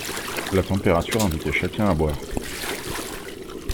La température invitait chacun à boire.